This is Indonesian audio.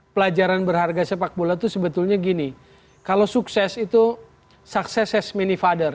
pelajaran berharga sepak bola tuh sebetulnya gini kalau sukses itu sukses as many father